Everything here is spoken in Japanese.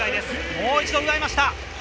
もう一度奪いました。